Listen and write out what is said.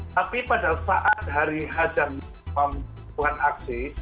tapi pada saat hari hajam bukan aksi